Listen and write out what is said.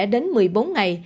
đến một mươi bốn ngày